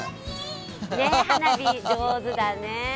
花火、上手だね。